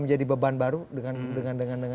menjadi beban baru dengan komposisi seperti ini